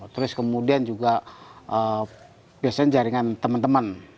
terus kemudian juga biasanya jaringan teman teman